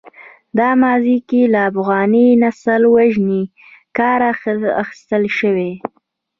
دا ماضي کې له افغاني نسل وژنې کار اخیستل شوی.